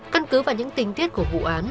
căn cứ vào những tình tiết của vụ án